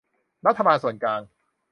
รัฐบาลส่วนกลาง